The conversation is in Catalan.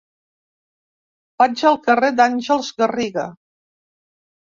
Vaig al carrer d'Àngels Garriga.